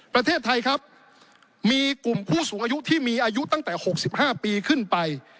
ประเทศไทยครับมีกลุ่มผู้สูงอายุที่มีอายุตั้งแต่๖๕ปีขึ้นไป